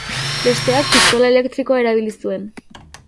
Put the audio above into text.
Besteak pistola elektrikoa erabili zuen.